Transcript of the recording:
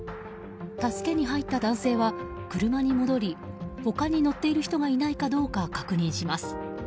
助けに入った男性は車に戻り他に乗っている人がいないかどうか確認します。